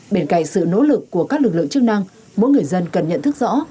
bên cạnh sự nỗ lực của các lực lượng chức năng mỗi người dân cần nhận thức rõ